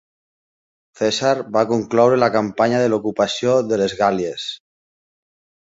Cèsar va concloure la campanya de l'ocupació de les Gàl·lies.